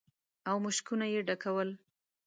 او مشکونه يې ډکول.